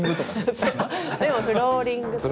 でもフローリングとか。